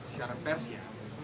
secara pers ya